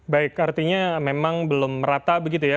baik artinya memang belum merata begitu ya